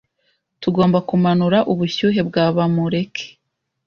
Tugomba kumanura ubushyuhe bwa Bamureke.